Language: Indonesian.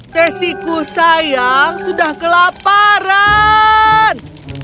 tesiku sayang sudah kelaparan